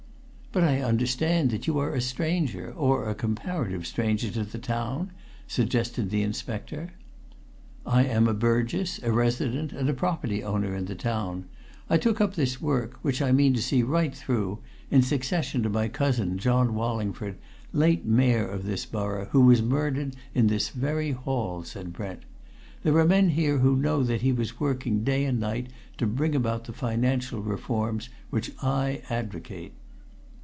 "But I understand that you are a stranger, or a comparative stranger, to the town?" suggested the inspector. "I am a burgess, a resident, and a property owner in the town. I took up this work which I mean to see right through! in succession to my cousin, John Wallingford, late Mayor of this borough, who was murdered in this very hall," said Brent. "There are men here who know that he was working day and night to bring about the financial reforms which I advocate."